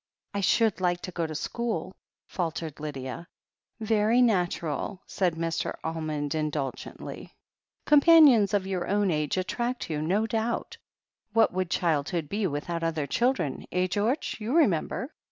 1 should like to go to school," faltered Lydia. 'Very natural," said Mr. Almond indulgently. THE HEEL OF ACHILLES 35 "Companions of your own age attract you, no doubt. What would childhood be without other children, eh, George? You remember?"